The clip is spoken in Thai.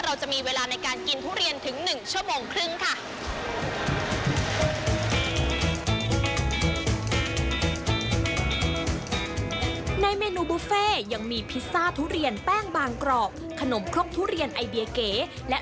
เราจะมีเวลาในการกินทุเรียนถึง๑ชั่วโมงครึ่งค่ะ